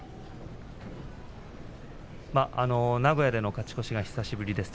名古屋での勝ち越しが久しぶりです。